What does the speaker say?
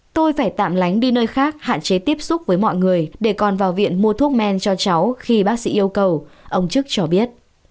tôi phải tạm lánh đi nơi khác hạn chế tiếp xúc với mọi người để con vào viện mua thuốc men cho cháu khi bác sĩ yêu cầu ông trức cho biết